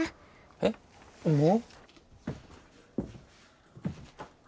えっもう？